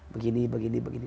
begini begini begini